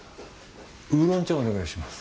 ウーロン茶お願いします。